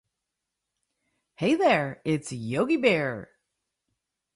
Hey There, It's Yogi Bear!